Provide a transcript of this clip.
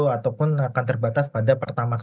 ataupun akan terbatas pada pertamax